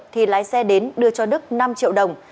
thì lái xe đến đưa cho đức năm triệu đồng